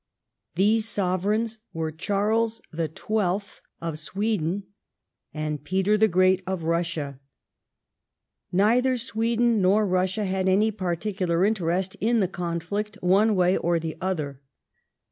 These Sove reigns were Charles the Twelfth of Sweden and Peter the Great of Eussia. Neither Sweden nor Eussia had any particular interest in the conflict one way or the other.